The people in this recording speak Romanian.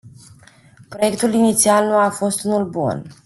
Proiectul inițial nu a fost unul bun.